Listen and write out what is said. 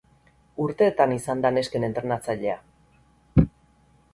Urteetan izan da nesken entrenatzailea.